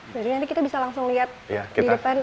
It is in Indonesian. jadi nanti kita bisa langsung lihat di depan